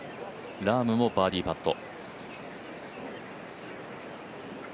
ラームもバーディーパット。